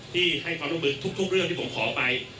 ที่ให้ความร่วมมือทุกเรื่องที่ผมขอไป